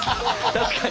確かに。